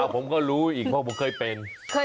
ผมก็รู้อีกเพราะผมเคยเป็น